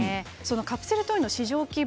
カプセルトイの市場規模